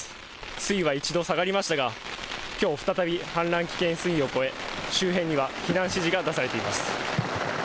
水位は一度下がりましたがきょう再び、氾濫危険水位を超え周辺には避難指示が出されています。